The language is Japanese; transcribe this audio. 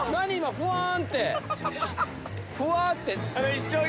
ふわって。